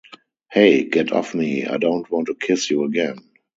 Hey, get off me, I don't want to kiss you again!